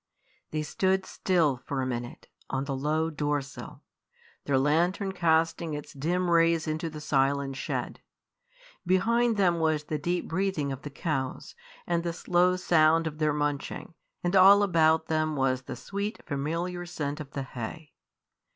They stood still for a minute on the low door sill, their lantern casting its dim rays into the silent shed. Behind them was the deep breathing of the cows, and the slow sound of their munching, and all about them was the sweet, familiar scent of the hay.